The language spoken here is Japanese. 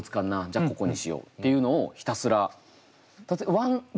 じゃあここにしようっていうのをひたすら。